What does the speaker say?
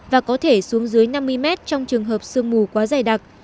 và có thể xuống dưới năm mươi mét trong trường hợp sương mù quá dày đặc